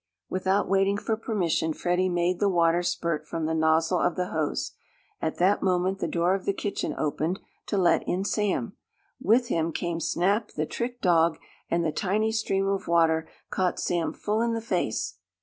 Without waiting for permission Freddie made the water spurt from the nozzle of the hose. At that moment the door of the kitchen opened, to let in Sam. With him came Snap, the trick dog, and the tiny stream of water caught Sam full in the face.